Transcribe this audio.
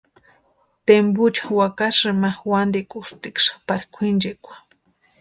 Tempucho wakasï ma wantikutiksï pari kwʼinchekwa.